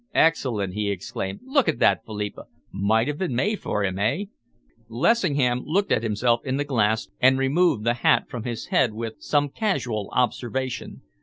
"Excellent!" he exclaimed. "Look at that, Philippa. Might have been made for him, eh?" Lessingham looked at himself in the glass and removed the hat from his head with some casual observation.